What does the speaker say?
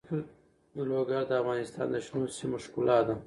لوگر د افغانستان د شنو سیمو ښکلا ده.